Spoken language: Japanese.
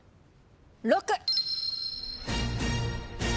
６。